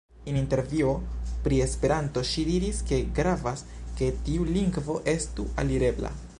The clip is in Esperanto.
En intervjuo pri Esperanto ŝi diris, ke "gravas, ke tiu lingvo estu alirebla".